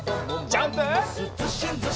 ジャンプ！